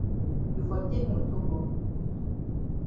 You for take moto go.